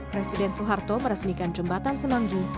presiden soeharto meresmikan jembatan semanggi